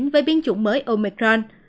với biến chủng mới omicron